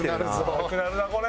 長くなるなあこれ。